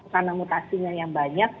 karena mutasinya yang banyak